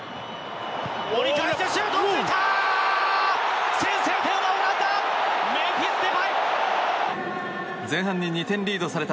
折り返してシュートを打っていった！